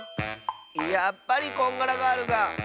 やっぱりこんがらガールが。